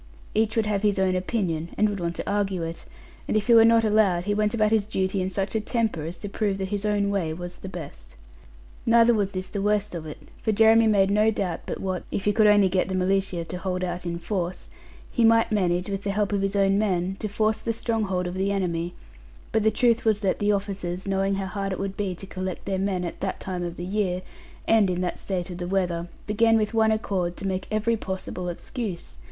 Each would have his own opinion, and would want to argue it; and if he were not allowed, he went about his duty in such a temper as to prove that his own way was the best. Neither was this the worst of it; for Jeremy made no doubt but what (if he could only get the militia to turn out in force) he might manage, with the help of his own men, to force the stronghold of the enemy; but the truth was that the officers, knowing how hard it would be to collect their men at that time of the year, and in that state of the weather, began with one accord to make every possible excuse.